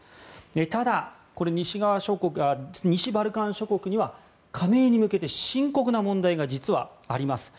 ただ、西バルカン諸国には加盟に向けて深刻な問題が実はあります。